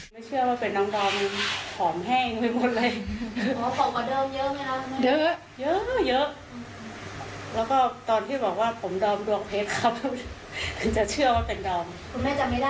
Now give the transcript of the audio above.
แล้วก็ตอนที่บอกว่าผมดอมดวงเพชครับแค่คือจะเชื่อว่าเป็นดอม